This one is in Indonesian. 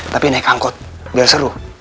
tapi naik angkot biar seru